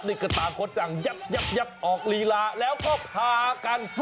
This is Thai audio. นิกตาโค้ดจังยับยับยับออกรีลาแล้วก็ผ่ากันลงไปเลย